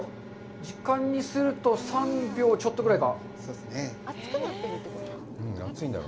時間にすると３秒ちょっとぐらいか？